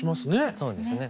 そうですね。